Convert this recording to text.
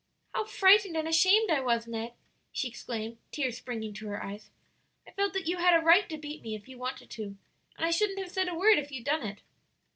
"How frightened and ashamed I was, Ned!" she exclaimed, tears springing to her eyes; "I felt that you had a right to beat me if you wanted to, and I shouldn't have said a word if you'd done it."